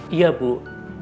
iritasi dok maksudnya gimana